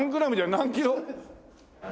何キロ？